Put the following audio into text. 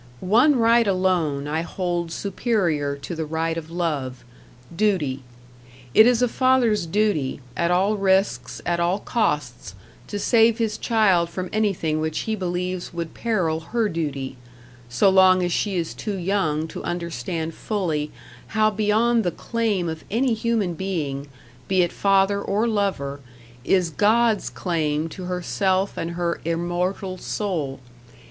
One right alone I hold superior to the right of love, duty. It is a father's duty, at all risks, at all costs, to save his child from anything which he believes would peril her duty so long as she is too young to understand fully how beyond the claim of any human being, be it father or lover, is God's claim to herself and her immortal soul.